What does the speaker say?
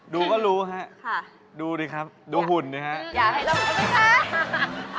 ดูก็รู้ค่ะดูดิครับดูหุ่นดิแฮะ